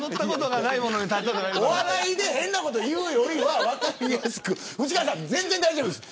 お笑いで変なこと言うよりは分かりやすく藤川さん、全然大丈夫です。